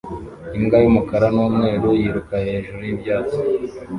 Imbwa y'umukara n'umweru yiruka hejuru y'ibyatsi